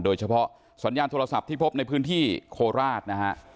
สัญญาณโทรศัพท์ที่พบในพื้นที่โคราชนะฮะ